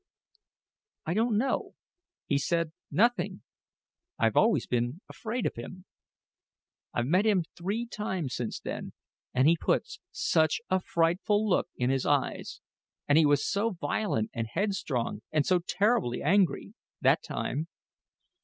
"I don't know he said nothing I've always been afraid of him. I've met him three times since then, and he puts such a frightful look in his eyes and he was so violent, and headstrong, and so terribly angry, that time.